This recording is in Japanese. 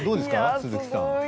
鈴木さん。